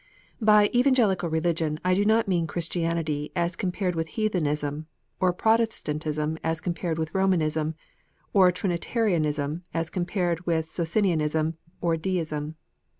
By "Evangelical Religion," I do not mean Christianity as compared with Heathenism, or Protestantism as compared with Romanism, or Trinitarianism as compared with Socinianism or Deism.